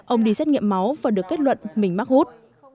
ông đi xét nghiệm máu và được kết luận mình mắc hút